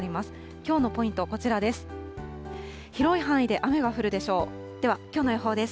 きょうのポイント、こちらです。